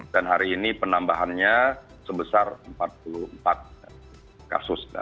dan hari ini penambahannya sebesar empat puluh empat kasus